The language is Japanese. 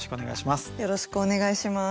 よろしくお願いします。